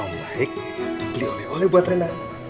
om baik beli oleh oleh buat rina